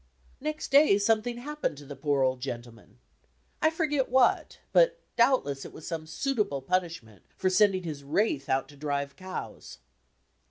Next day something happened to the poor old gendeman. I forget what, but doubdess it was some suitable punishment for sending his wraith out to drive cows!